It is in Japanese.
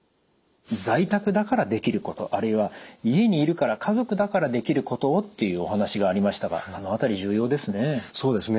在宅だからできることあるいは家にいるから家族だからできることをっていうお話がありましたがあの辺り重要ですね。